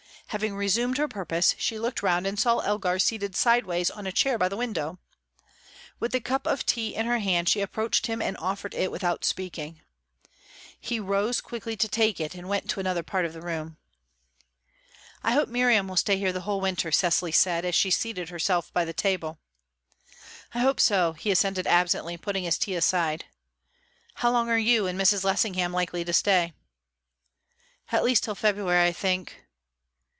Having resumed her purpose, she looked round and saw Elgar seated sideways on a chair by the window. With the cup of tea in her hand, she approached him and offered it without speaking. He rose quickly to take it, and went to another part of the room. "I hope Miriam will stay here the whole winter," Cecily said, as she seated herself by the table. "I hope so," he assented absently, putting his tea aside. "How long are you and Mrs. Lessingham likely to stay?" "At least till February, I think."